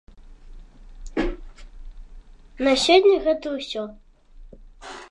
На сёння гэта ўсё.